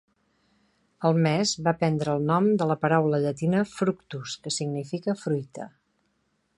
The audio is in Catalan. El mes va prendre el nom de la paraula llatina "fructus", que significa "fruita".